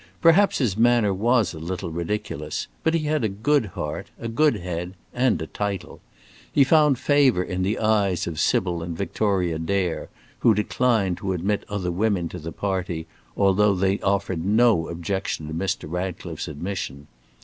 Perhaps his manner was a little ridiculous, but he had a good heart, a good head, and a title. He found favour in the eyes of Sybil and Victoria Dare, who declined to admit other women to the party, although they offered no objection to Mr. Ratcliffe's admission.